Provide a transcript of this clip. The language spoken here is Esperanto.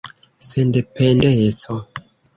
sendependeco